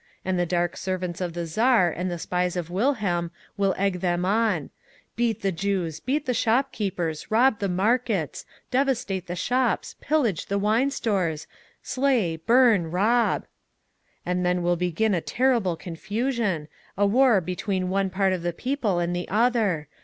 And the Dark servants of the Tsar and the spies of Wilhelm will egg the on; 'Beat the Jews, beat the shopkeepers, rob the markets, devastate the shops, pillage the wine stores! Slay, burn, rob!' "And then will begin a terrible confusion, a war between one part of the people and the other.